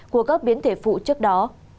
của các biến thể phụ trước đó